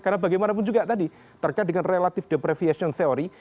karena bagaimanapun juga tadi terkait dengan relative depreviation theory